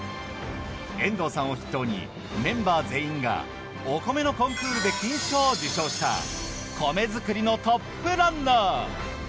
遠藤さんを筆頭にメンバー全員がお米のコンクールで金賞を受賞した米作りのトップランナー。